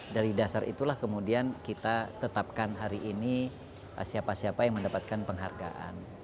dari dasar itulah kemudian kita tetapkan hari ini siapa siapa yang mendapatkan penghargaan